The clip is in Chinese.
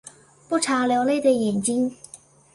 不常流泪的眼睛